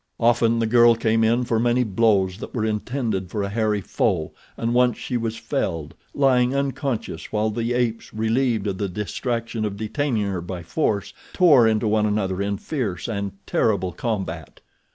Often the girl came in for many blows that were intended for a hairy foe, and once she was felled, lying unconscious while the apes, relieved of the distraction of detaining her by force, tore into one another in fierce and terrible combat.